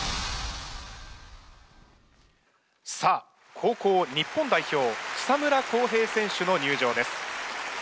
さあ後攻日本代表草村航平選手の入場です。